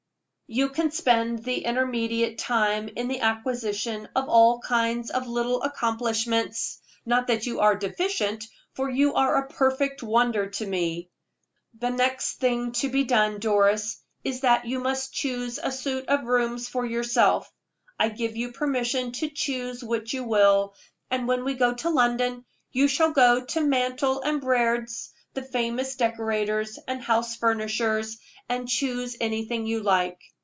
You can spend the intermediate time in the acquisition of all kinds of little accomplishments; not that you are deficient, for you are a perfect wonder to me. The next thing to be done, Doris, is that you must choose a suit of rooms for yourself. I give you permission to choose which you will; and when we go to London, you shall go to Mantall & Briard's, the famous decorators and house furnishers, and choose anything you like.